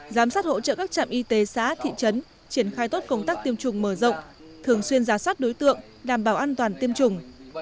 giám sát hỗ trợ các trạm y tế xã thị trấn triển khai tốt công tác tiêm chủng mở rộng thường xuyên giả soát đối tượng đảm bảo an toàn tiêm chủng